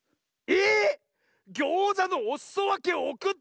えっ！